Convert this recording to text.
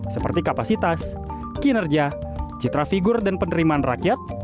seperti kapasitas kinerja citra figur dan penerimaan rakyat